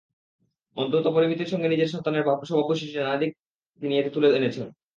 অত্যন্ত পরিমিতির সঙ্গে নিজের সন্তানের স্বভাববৈশিষ্ট্যের নানা দিক তিনি এতে তুলে এনেছেন।